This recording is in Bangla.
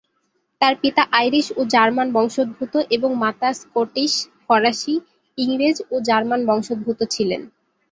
তার পিতা আইরিশ ও জার্মান বংশোদ্ভূত এবং মাতা স্কটিশ, ফরাসি, ইংরেজ ও জার্মান বংশোদ্ভূত ছিলেন।